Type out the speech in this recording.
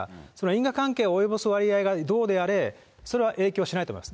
だから、因果関係はあるから、その因果関係を及ぼす割合がどうであれ、それは影響しないと思います。